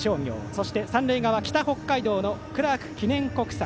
そして三塁側、北北海道のクラーク記念国際。